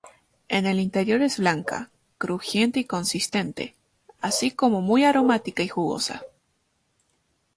En el interior es blanca, crujiente y consistente, así como muy aromática y jugosa.